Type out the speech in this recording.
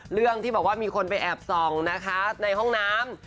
เรื่องที่บอกว่ามีคนไปแอบส่องนะคะในห้องน้ำ